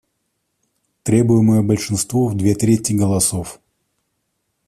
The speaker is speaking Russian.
Требуемое большинство в две трети голосов: